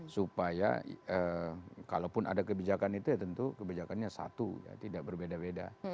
supaya kalaupun ada kebijakan itu ya tentu kebijakannya satu ya tidak berbeda beda